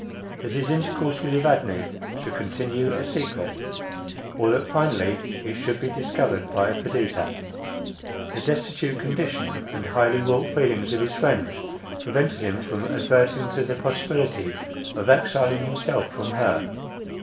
That his intercourse with Evadne should continue a secret to, or that finally it should be discovered by Perdita. The destitute condition, and highly wrought feelings of his friend prevented him from adverting to the possibility of exiling himself from her.